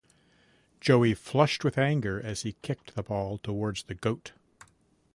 Joey flushed with anger as he kicked the ball towards the goat.